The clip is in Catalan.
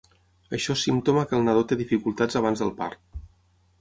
Això és símptoma que el nadó té dificultats abans del part.